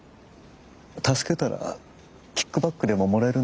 助けたらキックバックでももらえるんですか？